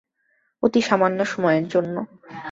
অতি সামান্য সময়ের জন্য।